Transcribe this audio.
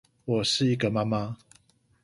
我是一個媽媽